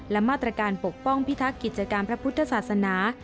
และมาตรการปกป้องพิทักษ์กิจการพระพุทธศาสนา